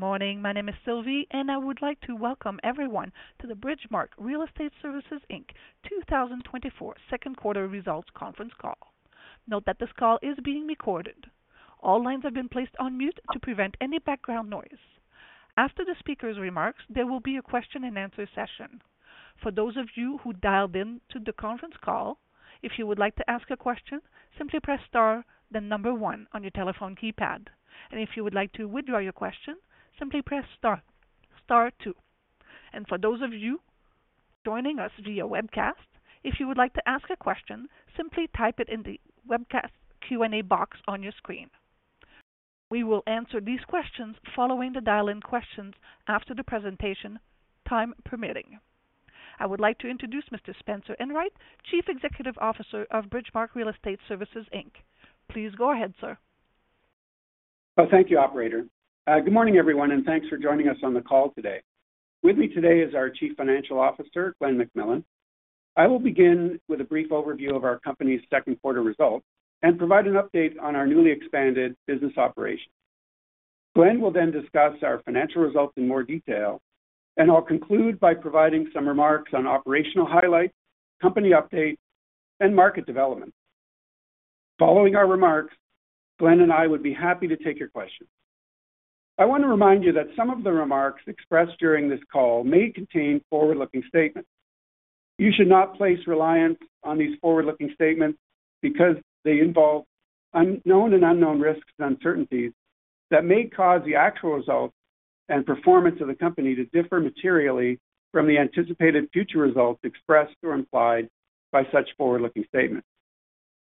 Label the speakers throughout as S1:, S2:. S1: Good morning. My name is Sylvie, and I would like to welcome everyone to the Bridgemarq Real Estate Services Inc. 2024 second quarter results conference call. Note that this call is being recorded. All lines have been placed on mute to prevent any background noise. After the speaker's remarks, there will be a question-and-answer session. For those of you who dialed in to the conference call, if you would like to ask a question, simply press star, then one on your telephone keypad. And if you would like to withdraw your question, simply press star-star two. And for those of you joining us via webcast, if you would like to ask a question, simply type it in the webcast Q&A box on your screen. We will answer these questions following the dial-in questions after the presentation, time permitting. I would like to introduce Mr. Spencer Enright, Chief Executive Officer of Bridgemarq Real Estate Services Inc. Please go ahead, sir.
S2: Well, thank you, operator. Good morning, everyone, and thanks for joining us on the call today. With me today is our Chief Financial Officer, Glen McMillan. I will begin with a brief overview of our company's second quarter results and provide an update on our newly expanded business operations. Glen will then discuss our financial results in more detail, and I'll conclude by providing some remarks on operational highlights, company updates, and market developments. Following our remarks, Glen and I would be happy to take your questions. I want to remind you that some of the remarks expressed during this call may contain forward-looking statements. You should not place reliance on these forward-looking statements because they involve known and unknown risks and uncertainties that may cause the actual results and performance of the company to differ materially from the anticipated future results expressed or implied by such forward-looking statements.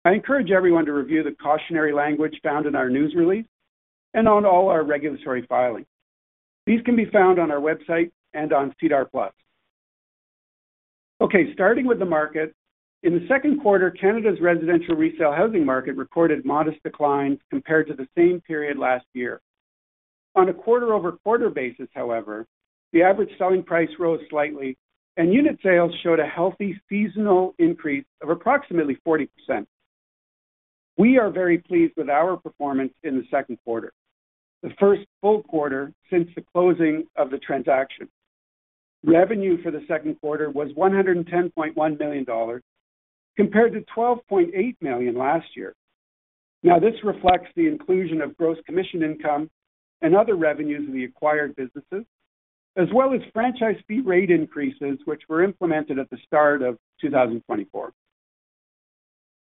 S2: I encourage everyone to review the cautionary language found in our news release and on all our regulatory filings. These can be found on our website and on SEDAR+. Okay, starting with the market. In the second quarter, Canada's residential resale housing market recorded modest declines compared to the same period last year. On a quarter-over-quarter basis, however, the average selling price rose slightly, and unit sales showed a healthy seasonal increase of approximately 40%. We are very pleased with our performance in the second quarter, the first full quarter since the closing of the transaction. Revenue for the second quarter was 110.1 million dollars, compared to 12.8 million last year. Now, this reflects the inclusion of gross commission income and other revenues of the acquired businesses, as well as franchise fee rate increases, which were implemented at the start of 2024.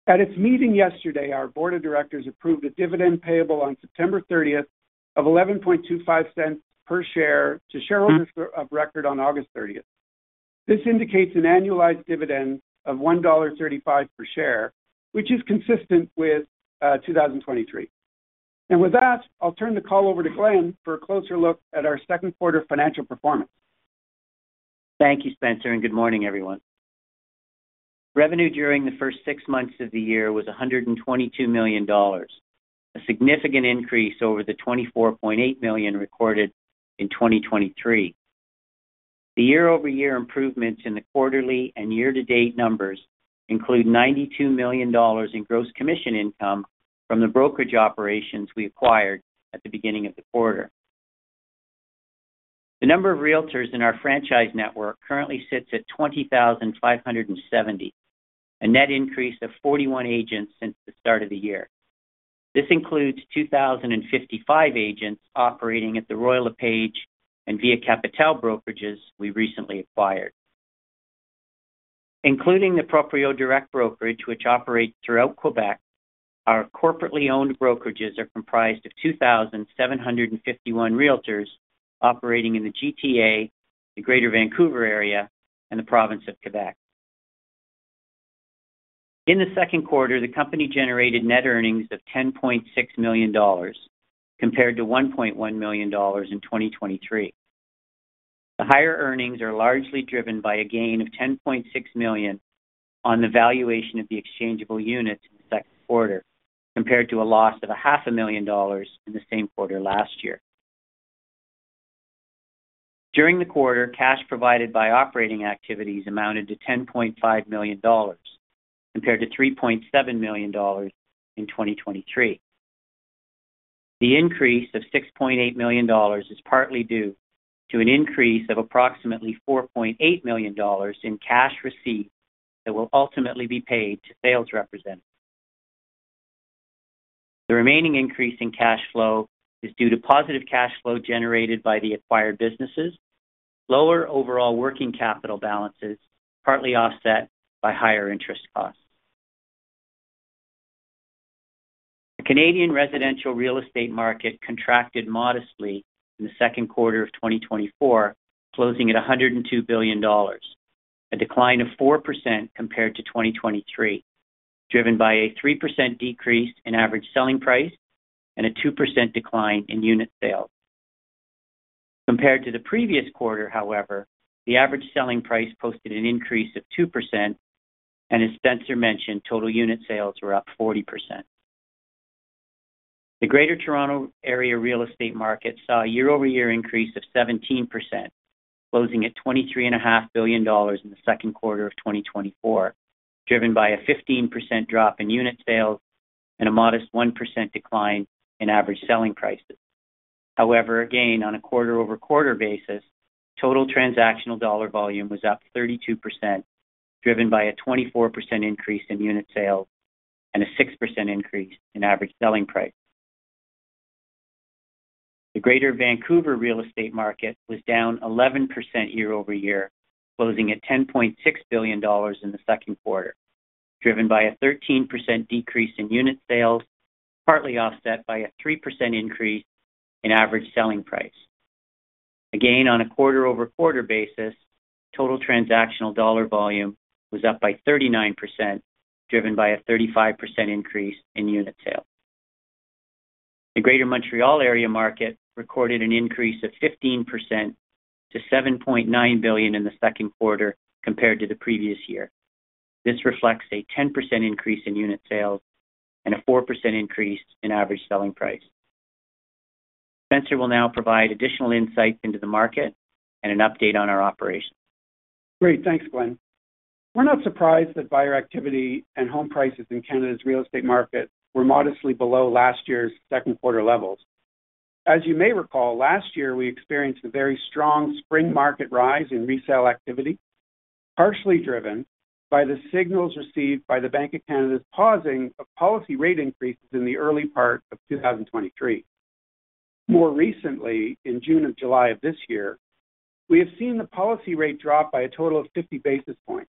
S2: At its meeting yesterday, our board of directors approved a dividend payable on September thirtieth of 0.1125 per share to shareholders of record on August thirtieth. This indicates an annualized dividend of 1.35 dollar per share, which is consistent with 2023. And with that, I'll turn the call over to Glen for a closer look at our second quarter financial performance.
S3: Thank you, Spencer, and good morning, everyone. Revenue during the first six months of the year was 122 million dollars, a significant increase over the 24.8 million recorded in 2023. The year-over-year improvements in the quarterly and year-to-date numbers include 92 million dollars in gross commission income from the brokerage operations we acquired at the beginning of the quarter. The number of realtors in our franchise network currently sits at 20,570, a net increase of 41 agents since the start of the year. This includes 2,055 agents operating at the Royal LePage and Via Capitale brokerages we recently acquired. Including the Proprio Direct brokerage, which operates throughout Quebec, our corporately owned brokerages are comprised of 2,751 realtors operating in the GTA, the Greater Vancouver Area, and the province of Quebec. In the second quarter, the company generated net earnings of 10.6 million dollars, compared to 1.1 million dollars in 2023. The higher earnings are largely driven by a gain of 10.6 million on the valuation of the exchangeable units in the second quarter, compared to a loss of 0.5 million dollars in the same quarter last year. During the quarter, cash provided by operating activities amounted to 10.5 million dollars, compared to 3.7 million dollars in 2023. The increase of 6.8 million dollars is partly due to an increase of approximately 4.8 million dollars in cash receipts that will ultimately be paid to sales representatives. The remaining increase in cash flow is due to positive cash flow generated by the acquired businesses, lower overall working capital balances, partly offset by higher interest costs. The Canadian residential real estate market contracted modestly in the second quarter of 2024, closing at 102 billion dollars, a decline of 4% compared to 2023, driven by a 3% decrease in average selling price and a 2% decline in unit sales. Compared to the previous quarter, however, the average selling price posted an increase of 2%, and as Spencer mentioned, total unit sales were up 40%. The Greater Toronto Area real estate market saw a year-over-year increase of 17%.... closing at 23.5 billion dollars in the second quarter of 2024, driven by a 15% drop in unit sales and a modest 1% decline in average selling prices. However, again, on a quarter-over-quarter basis, total transactional dollar volume was up 32%, driven by a 24% increase in unit sales and a 6% increase in average selling price. The Greater Vancouver real estate market was down 11% year-over-year, closing at 10.6 billion dollars in the second quarter, driven by a 13% decrease in unit sales, partly offset by a 3% increase in average selling price. Again, on a quarter-over-quarter basis, total transactional dollar volume was up by 39%, driven by a 35% increase in unit sales. The Greater Montreal Area market recorded an increase of 15% to 7.9 billion in the second quarter compared to the previous year. This reflects a 10% increase in unit sales and a 4% increase in average selling price. Spencer will now provide additional insights into the market and an update on our operations.
S2: Great. Thanks, Glen. We're not surprised that buyer activity and home prices in Canada's real estate market were modestly below last year's second quarter levels. As you may recall, last year we experienced a very strong spring market rise in resale activity, partially driven by the signals received by the Bank of Canada's pausing of policy rate increases in the early part of 2023. More recently, in June and July of this year, we have seen the policy rate drop by a total of 50 basis points.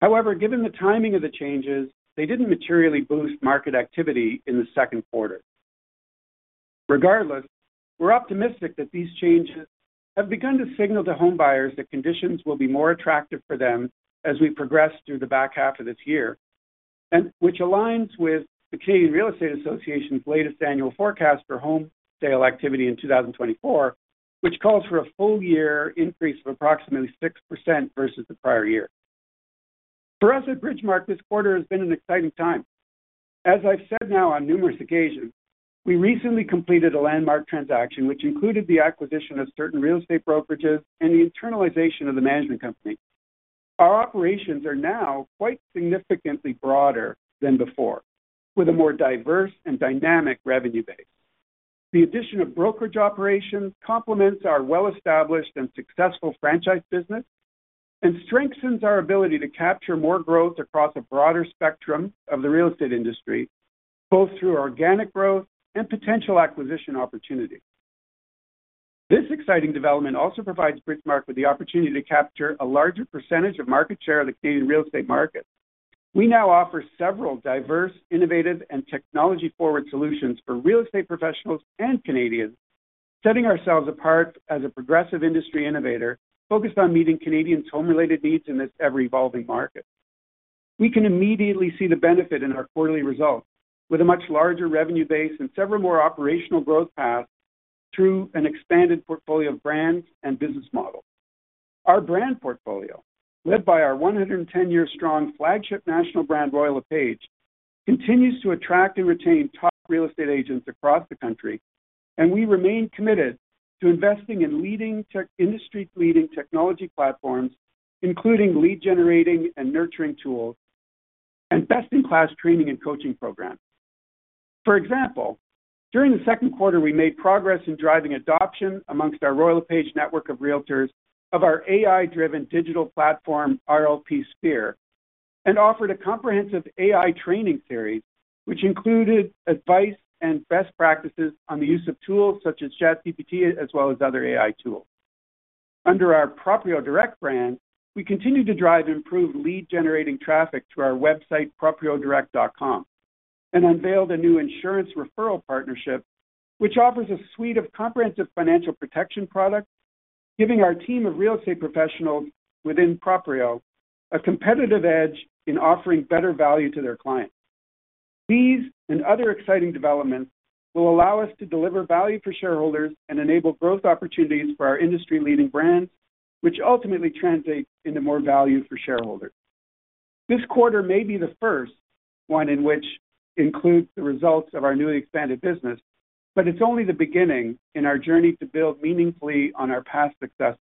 S2: However, given the timing of the changes, they didn't materially boost market activity in the second quarter. Regardless, we're optimistic that these changes have begun to signal to home buyers that conditions will be more attractive for them as we progress through the back half of this year, and which aligns with the Canadian Real Estate Association's latest annual forecast for home sale activity in 2024, which calls for a full year increase of approximately 6% versus the prior year. For us at Bridgemarq, this quarter has been an exciting time. As I've said now on numerous occasions, we recently completed a landmark transaction, which included the acquisition of certain real estate brokerages and the internalization of the management company. Our operations are now quite significantly broader than before, with a more diverse and dynamic revenue base. The addition of brokerage operations complements our well-established and successful franchise business and strengthens our ability to capture more growth across a broader spectrum of the real estate industry, both through organic growth and potential acquisition opportunities. This exciting development also provides Bridgemarq with the opportunity to capture a larger percentage of market share of the Canadian real estate market. We now offer several diverse, innovative, and technology-forward solutions for real estate professionals and Canadians, setting ourselves apart as a progressive industry innovator focused on meeting Canadians' home-related needs in this ever-evolving market. We can immediately see the benefit in our quarterly results, with a much larger revenue base and several more operational growth paths through an expanded portfolio of brands and business models. Our brand portfolio, led by our 110-year-strong flagship national brand, Royal LePage, continues to attract and retain top real estate agents across the country, and we remain committed to investing in leading tech, industry-leading technology platforms, including lead-generating and nurturing tools and best-in-class training and coaching programs. For example, during the second quarter, we made progress in driving adoption among our Royal LePage network of realtors of our AI-driven digital platform, rlpSPHERE, and offered a comprehensive AI training series, which included advice and best practices on the use of tools such as ChatGPT as well as other AI tools. Under our Proprio Direct brand, we continue to drive improved lead-generating traffic to our website, propriodirect.com, and unveiled a new insurance referral partnership, which offers a suite of comprehensive financial protection products, giving our team of real estate professionals within Proprio a competitive edge in offering better value to their clients. These and other exciting developments will allow us to deliver value for shareholders and enable growth opportunities for our industry-leading brands, which ultimately translate into more value for shareholders. This quarter may be the first one in which includes the results of our newly expanded business, but it's only the beginning in our journey to build meaningfully on our past success.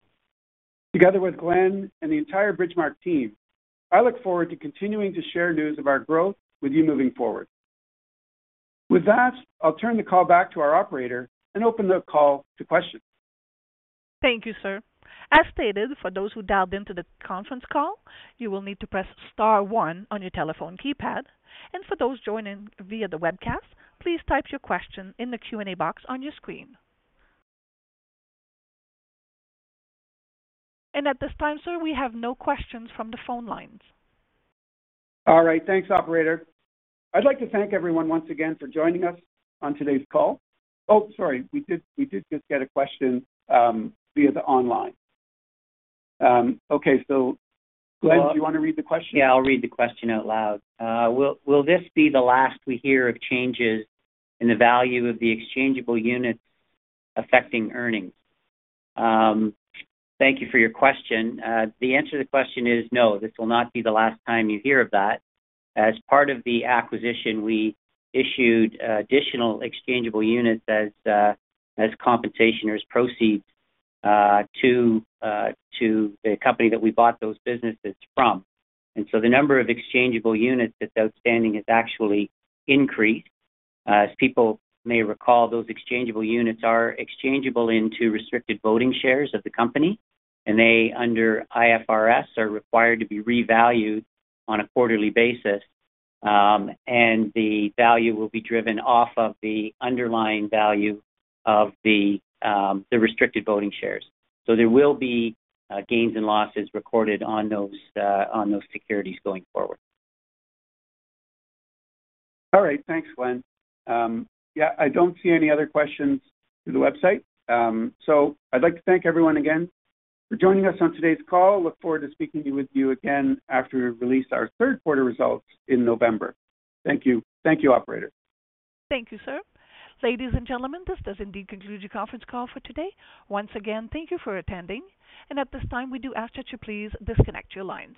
S2: Together with Glen and the entire Bridgemarq team, I look forward to continuing to share news of our growth with you moving forward. With that, I'll turn the call back to our operator and open the call to questions.
S1: Thank you, sir. As stated, for those who dialed into the conference call, you will need to press star one on your telephone keypad. For those joining via the webcast, please type your question in the Q&A box on your screen. At this time, sir, we have no questions from the phone lines.
S2: All right. Thanks, operator. I'd like to thank everyone once again for joining us on today's call. Oh, sorry, we did, we did just get a question via the online. Okay. So Glen, do you want to read the question?
S3: Yeah, I'll read the question out loud. Will this be the last we hear of changes in the value of the exchangeable units affecting earnings? Thank you for your question. The answer to the question is no, this will not be the last time you hear of that. As part of the acquisition, we issued additional exchangeable units as compensation or as proceeds to the company that we bought those businesses from. And so the number of exchangeable units that's outstanding has actually increased. As people may recall, those exchangeable units are exchangeable into restricted voting shares of the company, and they, under IFRS, are required to be revalued on a quarterly basis, and the value will be driven off of the underlying value of the restricted voting shares. So there will be gains and losses recorded on those securities going forward.
S2: All right. Thanks, Glen. Yeah, I don't see any other questions through the website. So I'd like to thank everyone again for joining us on today's call. Look forward to speaking with you again after we release our third quarter results in November. Thank you. Thank you, operator.
S1: Thank you, sir. Ladies and gentlemen, this does indeed conclude the conference call for today. Once again, thank you for attending, and at this time, we do ask that you please disconnect your lines.